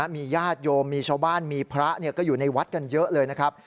มีญาติโยมมีชาวบ้านมีพระก็อยู่ในวัดกันเยอะเลยนะครับ